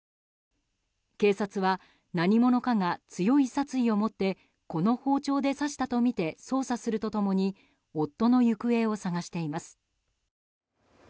警察は、何者かが強い殺意を持ってこの包丁で刺したとみて捜査すると共に夫の行方を捜しています。